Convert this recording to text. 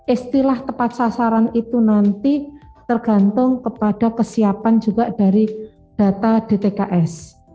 istilah tepat sasaran itu nanti tergantung kepada kesiapan juga dari data dtks